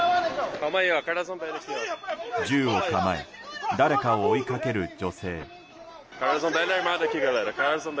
銃を構え誰かを追いかける女性。